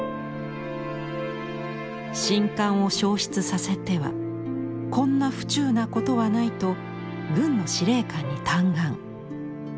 「『宸翰』を焼失させてはこんな不忠なことはない」と軍の司令官に嘆願。